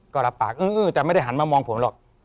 ก็รับปากเออแต่ไม่ได้หันมามองผมหรอก